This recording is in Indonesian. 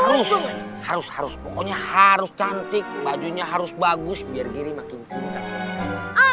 harus harus harus pokoknya harus cantik bajunya harus bagus biar geri makin cinta sama tata